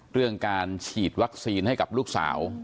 เรื่องการฉีดวัคซีนให้กับลูกสาว